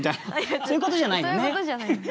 そういうことじゃない。